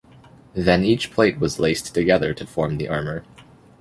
Then each plate was laced together to form the armor.